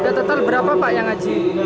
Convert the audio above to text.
udah total berapa pak yang ngaji